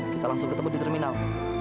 kita langsung ketemu di terminal